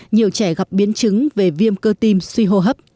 nhiều trẻ gặp biến chứng về viêm cơ tim suy hô hấp